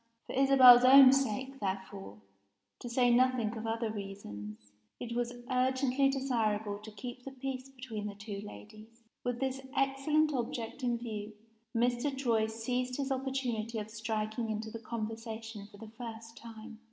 For Isabel's own sake, therefore to say nothing of other reasons it was urgently desirable to keep the peace between the two ladies. With this excellent object in view, Mr. Troy seized his opportunity of striking into the conversation for the first time.